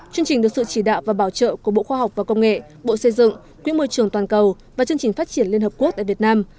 chương trình được sự chỉ đạo và bảo trợ của bộ khoa học và công nghệ bộ xây dựng quỹ môi trường toàn cầu và chương trình phát triển liên hợp quốc tại việt nam